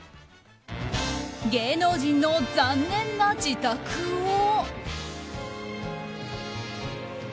芸能人の残念な自宅を。